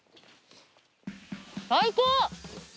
最高！